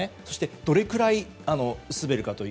そして、どれくらい滑るか。